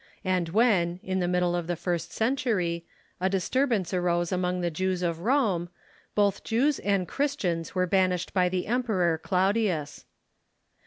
And when, in the middle of the first century, a disturbance arose among the Jews o^"rris/ians ^^ Rome, both Jews and Christians were banished by the Emperor Claudius.